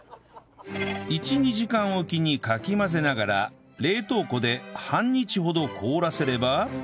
１２時間おきにかき混ぜながら冷凍庫で半日ほど凍らせれば